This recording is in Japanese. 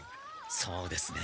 そうですね。